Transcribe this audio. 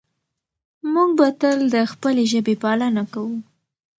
موږ به تل د خپلې ژبې پالنه کوو.